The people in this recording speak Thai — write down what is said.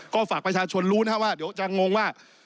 ก็ฝากประชาชนรู้นะครับว่าเดี๋ยวจะงงว่า